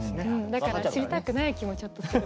だから知りたくない気もちょっとする。